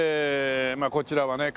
こちらはね